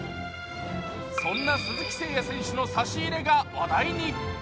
そんな鈴木誠也選手の差し入れが話題に。